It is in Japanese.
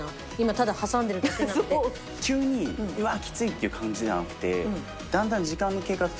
急にうわっキツいっていう感じではなくて。